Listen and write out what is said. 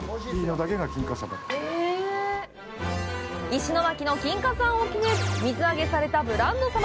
石巻の金華山沖で水揚げされたブランドサバ。